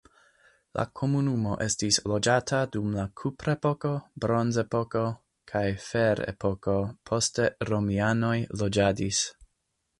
La komunumo estis loĝata dum la kuprepoko, bronzepoko kaj ferepoko, poste romianoj loĝadis.